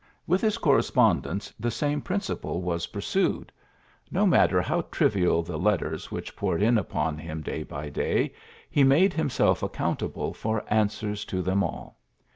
With his correspondence the same principle was pursued. Ko matter how trivial the letters which poured in upon him day by day, he made himself ac countable for answers to them all.